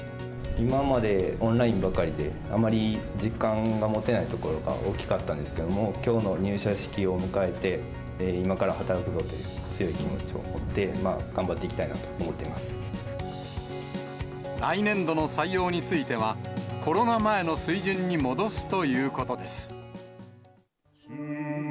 今までオンラインばかりで、あまり実感が持てないところが大きかったんですけれども、きょうの入社式を迎えて、今から働くぞという強い気持ちを持って頑張っていきたいなと思っ来年度の採用については、コロナ前の水準に戻すということです。